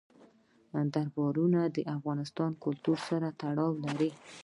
دریابونه د افغان کلتور سره تړاو لري.